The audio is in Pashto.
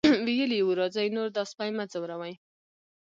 ویلي یې وو راځئ نور دا سپی مه ځوروئ.